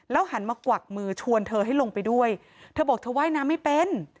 หันมากวักมือชวนเธอให้ลงไปด้วยเธอบอกเธอว่ายน้ำไม่เป็น